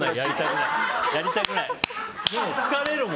やりたくない！